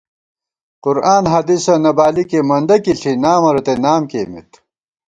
قرآن حدیثہ نہ بالِکے، مندہ کِی ݪی نامہ رتئ لام کېئیمېت